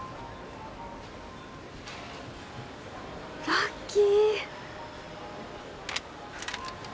ラッキー。